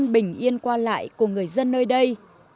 những bước chân bình yên qua lại của người dân nơi đây